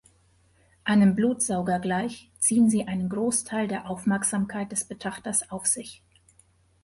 Einem Blutsauger gleich ziehen sie einen Großteil der Aufmerksamkeit des Betrachters auf sich.